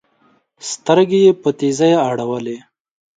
سترګي یې په تېزۍ اړولې